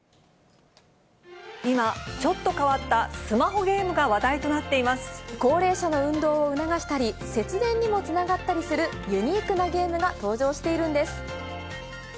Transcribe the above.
今、ちょっと変わったスマホ高齢者の運動を促したり、節電にもつながったりするユニークなゲームが登場しているんです。